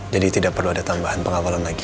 jadi tidak perlu ada tambahan pengawalan lagi